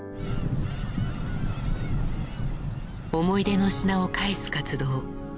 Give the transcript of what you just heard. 思い出の品を返す活動。